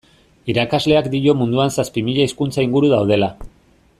Irakasleak dio munduan zazpi mila hizkuntza inguru daudela.